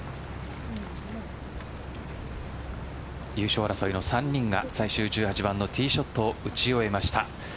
優勝争いの３人が最終１８番のティーショットを打ち終えました。